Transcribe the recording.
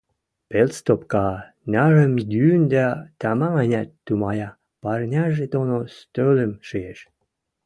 пел стопка нӓрӹм йӱн дӓ тамам-ӓнят тумая, парняжы доно стӧлӹм шиэш.